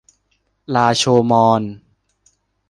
ลาโชว์มอญ